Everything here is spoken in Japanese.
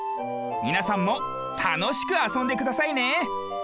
みなさんもたのしくあそんでくださいね。